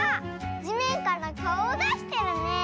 じめんからかおをだしてるね。